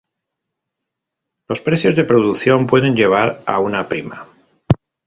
Los precios de producción pueden llevar a una prima.